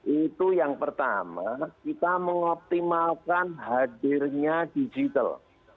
itu yang pertama kita mengoptimalkan hadirnya digital